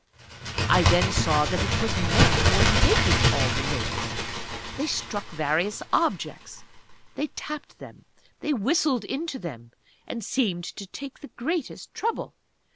I then saw that it was men who were making all this noise. They struck various objects they tapped them they whistled into them and seemed to take the greatest trouble!